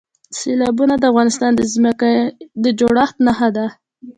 سیلابونه د افغانستان د ځمکې د جوړښت نښه ده.